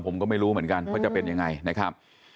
ผมก็ไม่รู้เหมือนกันว่าจะเป็นยังไงนะครับ